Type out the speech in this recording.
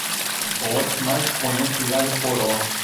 Coloque mais coentro e alho-poró